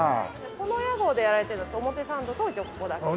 この屋号でやられてるのは表参道とここだけという。